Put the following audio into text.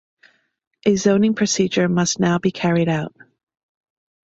A zoning procedure must now be carried out.